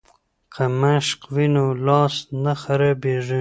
که مشق وي نو لاس نه خرابیږي.